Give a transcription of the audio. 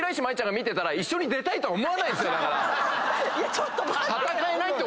ちょっと待って！